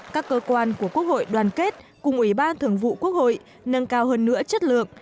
các cơ quan của quốc hội đoàn kết cùng ủy ban thường vụ quốc hội nâng cao hơn nữa chất lượng